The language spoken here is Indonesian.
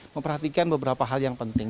memperhatikan beberapa hal yang penting